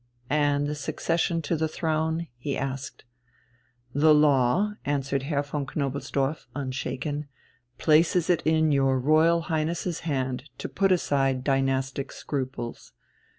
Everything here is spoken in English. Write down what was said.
"And the succession to the throne?" he asked. "The law," answered Herr von Knobelsdorff, unshaken, "places it in your Royal Highness's hand to put aside dynastic scruples.